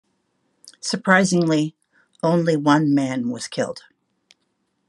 Surprisingly only one man was killed.